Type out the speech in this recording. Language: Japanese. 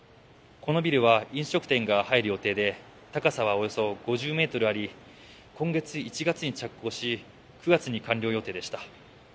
このビルは飲食店が入る予定で高さは、およそ５０ｍあり今年１月に着工し９月に着工予定でした。